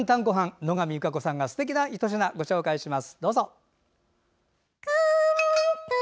野上優佳子さんがすてきなひと品をご紹介します。